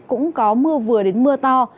cũng có mưa vừa đến mưa to